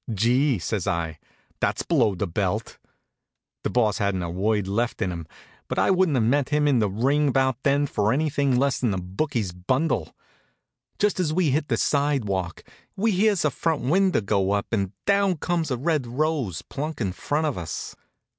"Gee!" says I, "that's below the belt." The Boss hadn't a word left in him, but I wouldn't have met him in the ring about then for anything less'n a bookie's bundle. Just as we hit the sidewalk we hears a front window go up, and down comes a red rose plunk in front of us.